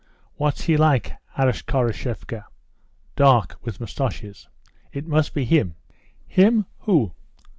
"What's he like?" asked Khoroshevka. "Dark, with moustaches." "It must be him." "Him who?"